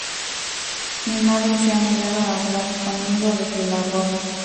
Mi madre se ha negado a hablar conmigo desde la boda".